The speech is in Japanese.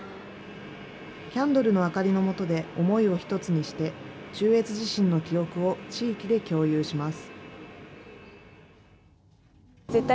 キャンドルの明かりのもとで、思いを一つにして中越地震の記憶を地域で共有します。